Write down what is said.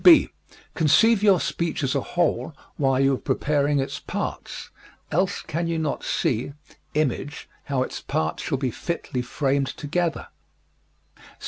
(b) Conceive your speech as a whole while you are preparing its parts, else can you not see image how its parts shall be fitly framed together.